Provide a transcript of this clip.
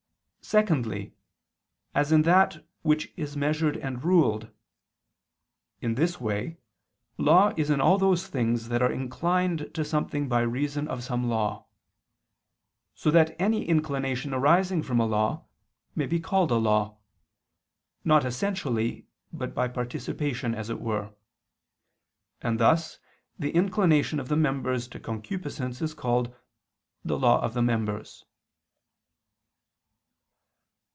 Secondly, as in that which is measured and ruled. In this way, law is in all those things that are inclined to something by reason of some law: so that any inclination arising from a law, may be called a law, not essentially but by participation as it were. And thus the inclination of the members to concupiscence is called "the law of the members."